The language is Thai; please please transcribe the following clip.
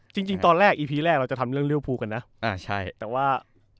จริงตอนแรกอีพีแรกเราจะทำเรื่องเรียวภูกันนะอ่าใช่แต่ว่า